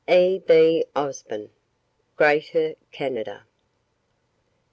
E. B. OSBORN: "Greater Canada."